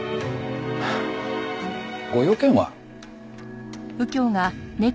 ご用件は？